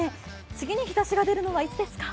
次に日ざしが出るのはいつですか？